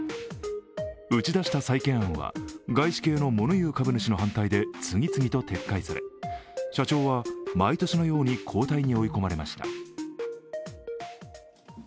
打ち出した再建案は外資系の物言う株主の反対で次々と撤回され、社長は毎年のように交代に追い込まれました。